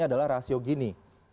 adalah rasio gini